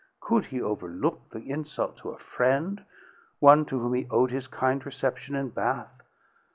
Could he overlook the insult to a friend, one to whom he owed his kind reception in Bath?